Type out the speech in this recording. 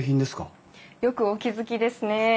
よくお気付きですね。